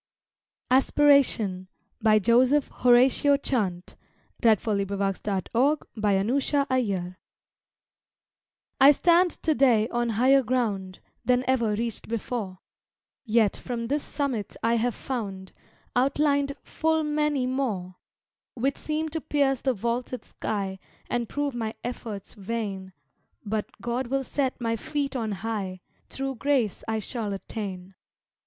grand, But in the wealth of this fair land Grandeur and good combine. ASPIRATION I stand to day on higher ground Than ever reached before, Yet from this summit I have found, Outlined full many more, Which seem to pierce the vaulted sky, And prove my effort vain But God will set my feet on high, Thro' grace I shall attain.